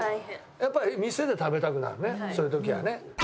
やっぱり店で食べたくなるねそういう時はね。